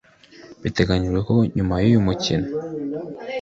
Biteganyijwe ko nyuma y’uyu mukino